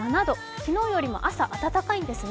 昨日よりも朝、暖かいんですね。